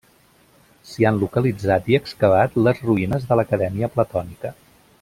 S'hi han localitzat i excavat les ruïnes de l'Acadèmia platònica.